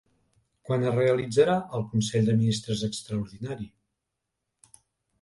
Quan es realitzarà el consell de ministres extraordinari?